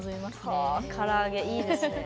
はから揚げいいですね。